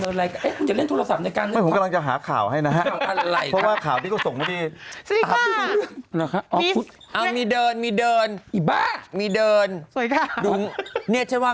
ดูการดำเนินรายการเอ๊ะคุณจะเล่นโทรศัพท์ในการเล่นข่าว